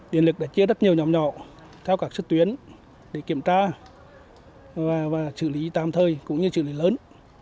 điện lực đã chia rất nhiều nhóm nhỏ theo các sức tuyến để kiểm tra và xử lý tam thời cũng như xử lý lớn